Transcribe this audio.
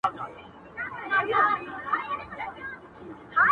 نن دي بیا سترګو کي رنګ د میکدو دی-